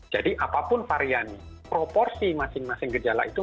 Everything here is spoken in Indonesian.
jadi apapun varian proporsi masing masing gejala itu